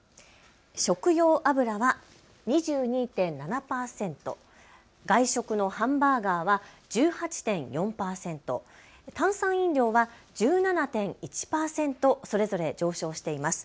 食用油は２２．７％、外食のハンバーガーは１８．４％、炭酸飲料は１７．１％それぞれ上昇しています。